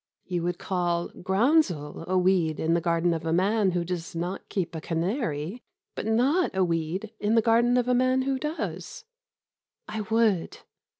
"You would call groundsel a weed in the garden of a man who does not keep a canary, but not a weed in the garden of a man who does?" "I would."